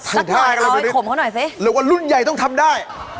เรียกว่ารุ่นใหญ่ต้องทำได้